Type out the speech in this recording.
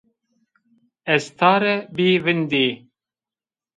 Estare bî vîndî